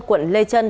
quận lê trân